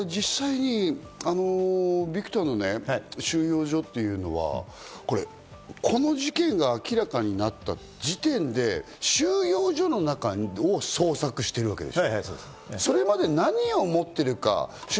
だからこそ実際にビクタンの収容所っていうのは、この事件が明らかになった時点で収容所の中を捜索してるわけでしょ？